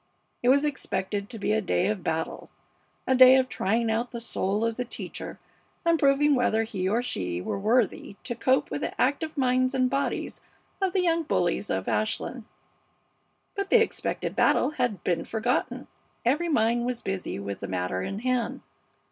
It was expected to be a day of battle; a day of trying out the soul of the teacher and proving whether he or she were worthy to cope with the active minds and bodies of the young bullies of Ashland. But the expected battle had been forgotten. Every mind was busy with the matter in hand.